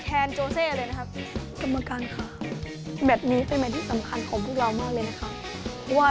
ทางเดินของใครเข้ามา